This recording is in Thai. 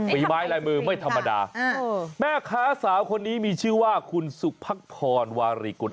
ไม้ลายมือไม่ธรรมดาแม่ค้าสาวคนนี้มีชื่อว่าคุณสุพักพรวารีกุล